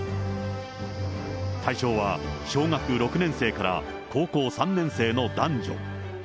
対象は小学６年生から高校３年生の男女。